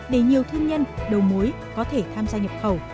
để nhiều thương nhân đầu mối có thể tham gia nhập khẩu